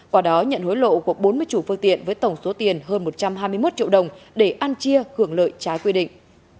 quả đó nhận hối lộ của bốn mươi chủ phương tiện với tổng số tiền hơn một trăm hai mươi một triệu đồng để ăn chia hưởng lợi trái quy định